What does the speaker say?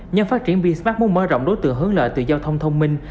nhân phát triển besmart muốn mơ rộng đối tượng hướng lợi từ giao thông thông minh